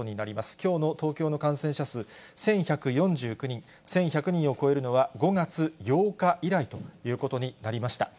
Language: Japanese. きょうの東京の感染者数、１１４９人、１１００人を超えるのは５月８日以来ということになりました。